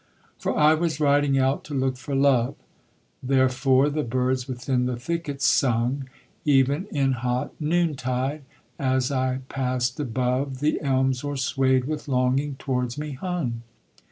For I was riding out to look for love, Therefore the birds within the thickets sung, Even in hot noontide; as I pass'd, above The elms o'ersway'd with longing towards me hung.